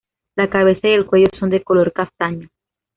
La cabeza y el cuello son de color castaño.